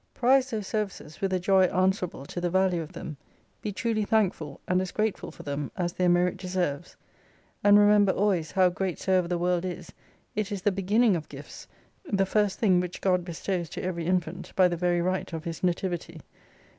Prize those services with a joy answerable to the value of them, be truly thankful, and as grateful for them, as their merit deserves. And remember always how great soever the world is, it is the beginning of Gifts, the first thing which God bestows to every infant, by the very right of his nativity.